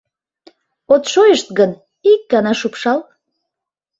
От шойышт гын, ик гана шупшал...